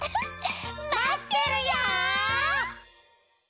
まってるよ！